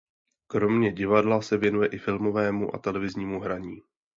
Kromě divadla se věnuje i filmovému a televiznímu hraní.